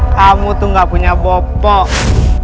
kamu tuh gak punya bopok